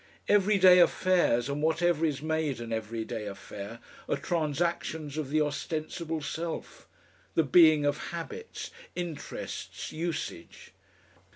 Everyday affairs and whatever is made an everyday affair, are transactions of the ostensible self, the being of habits, interests, usage.